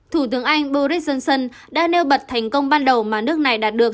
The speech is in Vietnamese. thủ tướng anh boris johnson đã nêu bật thành công ban đầu mà nước này đạt được